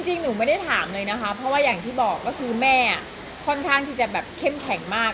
หนูไม่ได้ถามเลยนะคะเพราะว่าอย่างที่บอกก็คือแม่ค่อนข้างที่จะแบบเข้มแข็งมาก